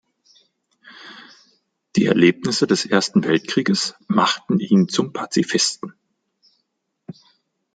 Die Erlebnisse des Ersten Weltkrieges machten ihn zum Pazifisten.